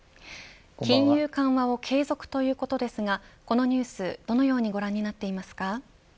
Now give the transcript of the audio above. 金融緩和を継続ということですがこのニュース、どのようにご覧になっていますか。